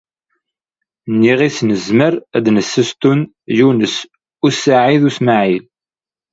Nniɣ is nzmr ad nsestun Yunes u Saɛid u Smaɛil.